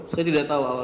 saya tidak tahu